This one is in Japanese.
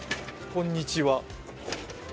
こんにちは。